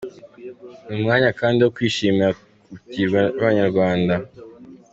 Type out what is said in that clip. Ni umwanya kandi wo kwishimira ukwigira kw’abanyarwanda.